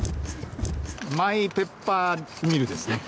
マイペッパーミルですね。